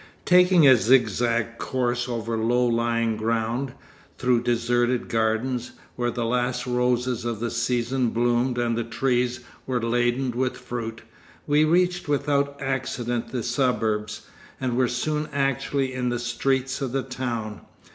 Taking a zigzag course over low lying ground, through deserted gardens, where the last roses of the season bloomed and the trees were laden with fruit, we reached without accident the suburbs, and were soon actually in the streets of the town.